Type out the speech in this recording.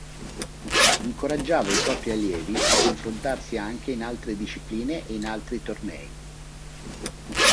Incoraggiava i propri allievi a confrontarsi anche in altre discipline e in altri tornei.